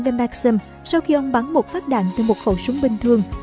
về maxim sau khi ông bắn một phát đạn từ một khẩu súng bình thường